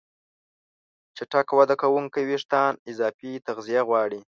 چټک وده کوونکي وېښتيان اضافي تغذیه غواړي.